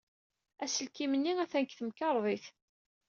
Aselkim-nni atan deg temkarḍit.